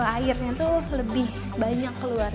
airnya tuh lebih banyak keluar